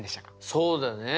そうだね。